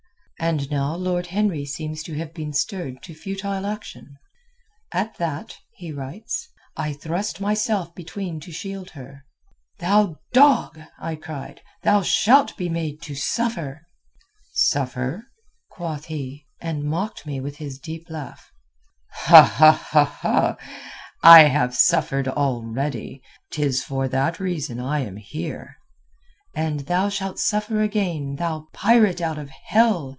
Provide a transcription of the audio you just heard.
And now Lord Henry seems to have been stirred to futile action. "At that," he writes, "I thrust myself between to shield her. 'Thou dog,' I cried, 'thou shalt be made to suffer!' "'Suffer?' quoth he, and mocked me with his deep laugh. 'I have suffered already. 'Tis for that reason I am here.' "'And thou shalt suffer again, thou pirate out of hell!